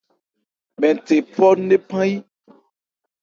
Mɛn nthe 'phɔ́ ńnephan yí.